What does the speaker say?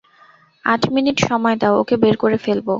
আট মিনিট সময় দাও, ওকে বের করে ফেলবো।